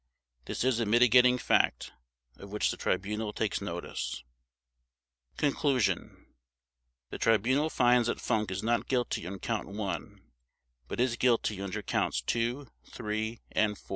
This is a mitigating fact of which the Tribunal takes notice. Conclusion The Tribunal finds that Funk is not guilty on Count One but is guilty under Counts Two, Three, and Four.